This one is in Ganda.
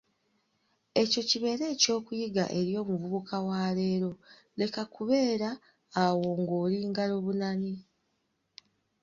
Ekyo kibeere eky’okuyiga eri omuvubuka wa leero, leka kubeera awo ng'oli ngalobunani.